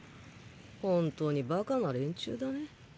本当にバカな連中だね。